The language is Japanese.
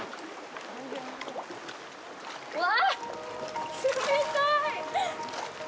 うわあ、冷たーい。